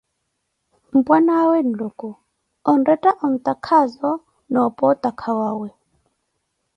Mpwanaawo Nluku, onretta antakhaazo, na opo otakhawawe.